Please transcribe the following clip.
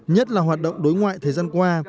nhất là hoạt động đối ngoại thời gian qua